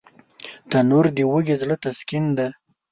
تنور د وږي زړه تسکین دی